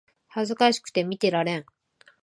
恥ずかしくて見てられん